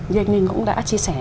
như anh ninh cũng đã chia sẻ